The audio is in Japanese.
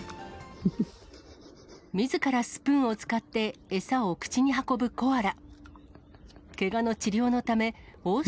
みずからスプーンを使って餌を口に運ぶコアラ。